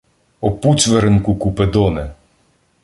О пуцьверинку Купидоне!